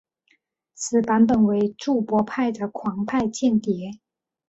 此版本为注博派的狂派间谍。